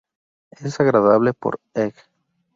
Es agradable por ej.